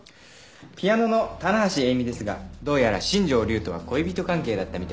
ピアノの棚橋詠美ですがどうやら新庄リュウとは恋人関係だったみたいですよ。